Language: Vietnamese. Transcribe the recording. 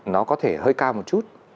nó có thể hơi cao một chút